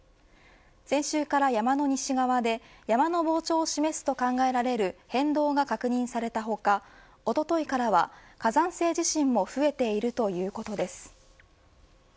先週から山の西側で山の膨張を示すと考えられる変動が確認された他おとといからは火山性地震も増えているということです。